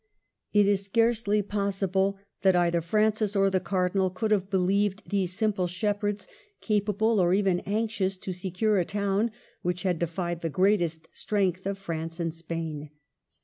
It is scarcely possible that either Francis or the Cardinal could have believed these simple shepherds capable or even anxious to secure a town which had defied the greatest strength of France and Spain.